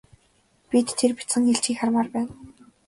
Бид тэр бяцхан илжгийг хармаар байна.